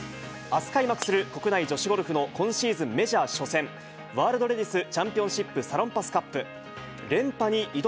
あす開幕する国内女子ゴルフの今シーズンメジャー初戦、ワールドレディス・チャンピオンシップ・サロンパスカップ。